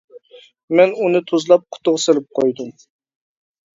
مەن ئۇنى تۇزلاپ قۇتىغا سېلىپ قويدۇم.